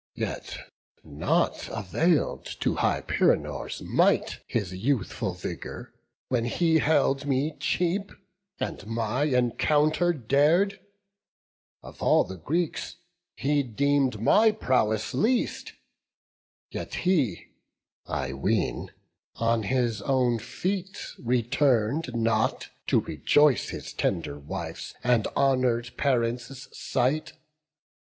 Yet nought avail'd to Hyperenor's might His youthful vigour, when he held me cheap, And my encounter dar'd; of all the Greeks He deem'd my prowess least; yet he, I ween, On his own feet return'd not, to rejoice His tender wife's and honour'd parents' sight.